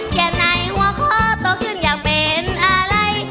แค่ไหนหัวข้อโตขึ้นอยากเป็นอะไร